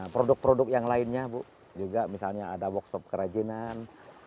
produk produk yang lainnya bu juga misalnya ada workshop kerajinan